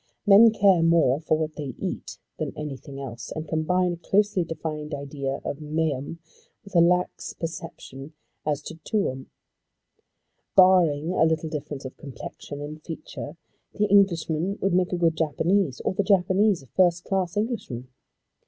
Men care more for what they eat than anything else, and combine a closely defined idea of meum with a lax perception as to tuum Barring a little difference of complexion and feature the Englishman would make a good Japanese, or the Japanese a first class Englishman.